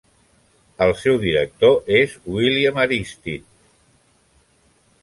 El seu director és William Aristide.